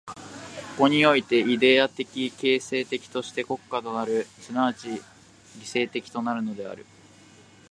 ここにおいてイデヤ的形成的として国家となる、即ち理性的となるのである。